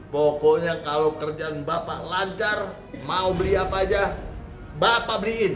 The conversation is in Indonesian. pokoknya kalau kerjaan bapak lancar mau beli apa aja bapak beliin